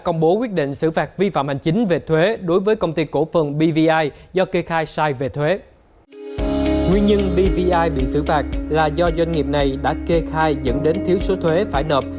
nguyên nhân bbi bị xử phạt là do doanh nghiệp này đã kê khai dẫn đến thiếu số thuế phải nợp